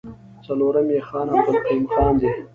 څلورم يې خان عبدالقيوم خان دی.